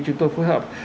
chúng tôi phối hợp